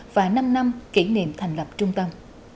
và năm năm kỷ niệm thành lập trung tâm